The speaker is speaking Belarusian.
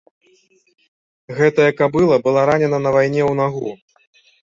Гэтая кабыла была ранена на вайне ў нагу.